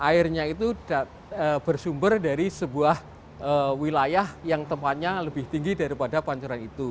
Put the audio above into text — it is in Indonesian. airnya itu bersumber dari sebuah wilayah yang tempatnya lebih tinggi daripada pancoran itu